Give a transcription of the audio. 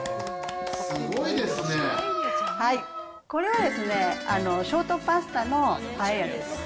これはですね、ショートパスタのパエリアです。